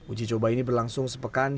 uji coba ini berlangsung sepekan